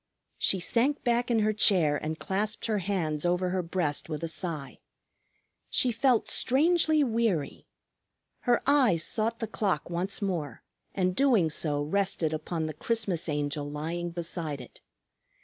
She sank back in her chair and clasped her hands over her breast with a sigh. She felt strangely weary. Her eyes sought the clock once more, and doing so rested upon the Christmas Angel lying beside it.